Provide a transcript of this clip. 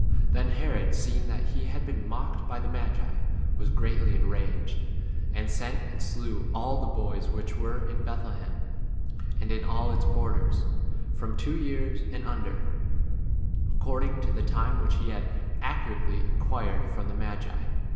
Then Herod, seeing that he had been mocked by the magi, was greatly enraged; and sent and slew all the boys which [were] in Bethlehem, and in all its bor ders, from two years and under, ac cording to the time which he had accurately inquired 1 from the ma 17 gi.